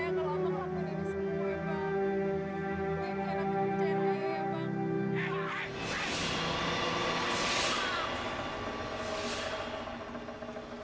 jadi saya gak percaya sama ayah ya bang